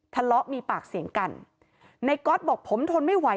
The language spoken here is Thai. ทะเลาะมีปากเสียงกันในก๊อตบอกผมทนไม่ไหว